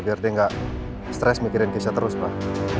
biar dia gak stress mikirin keisha terus pak